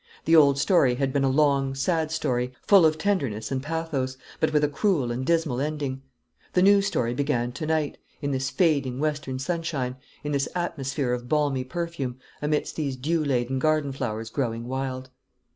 The old story had been a long, sad story, fall of tenderness and pathos, but with a cruel and dismal ending. The new story began to night, in this fading western sunshine, in this atmosphere of balmy perfume, amidst these dew laden garden flowers growing wild.